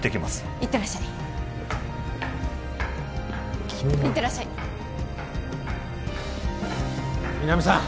行ってらっしゃい君も行ってらっしゃい皆実さん！